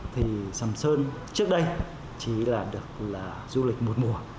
thì sầm sơn trước đây chỉ là được là du lịch một mùa